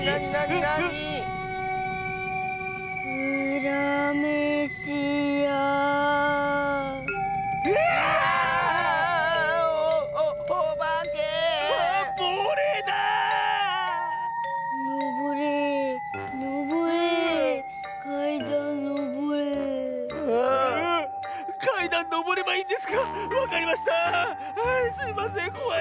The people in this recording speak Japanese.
はいすいませんこわい。